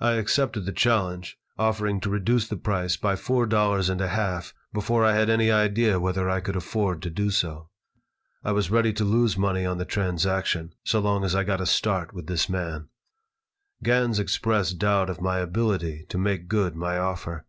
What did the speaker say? I accepted the challenge, offering to reduce the price by four dollars and a half before I had any idea whether I could afford to do so. I was ready to lose money on the transaction, so long as I got a start with this man Gans expressed doubt of my ability to make good my offer.